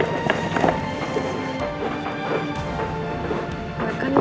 mba punya hadiah